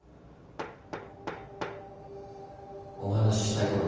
お話したいことが。